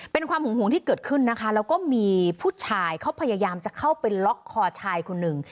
เป็นความหึงหวงที่เกิดขึ้นนะคะแล้วก็มีผู้ชายเขาพยายามจะเข้าไปล็อกคอชายคนหนึ่ง